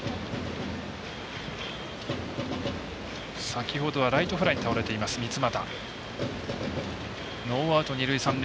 先ほどはライトフライに倒れている三ツ俣。